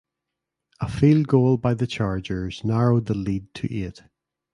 A field goal by the Chargers narrowed the lead to eight.